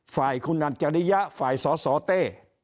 ฝ่ายคุณอัจฉริยะฝ่ายสสเต้